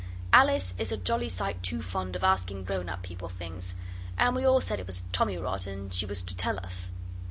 Alice is a jolly sight too fond of asking grown up people things. And we all said it was tommyrot, and she was to tell us.